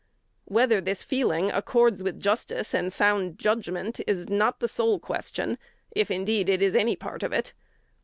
Whether this feeling accords with justice and sound judgment is not the sole question, if, indeed, it is any part of it.